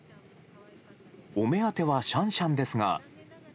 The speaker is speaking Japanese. お目当てはシャンシャンですが。